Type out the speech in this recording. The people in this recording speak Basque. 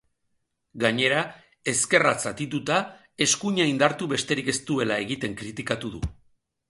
Gainera, ezkerra zatituta eskuina indartu besterik ez duela egiten kritikatu du.